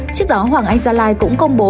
trước đó hoàng anh gia lai cũng công bố